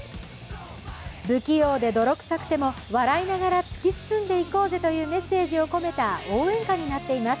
不器用で泥臭くても笑いながら突き進んでいこうぜというメッセージを込めた応援歌になっています。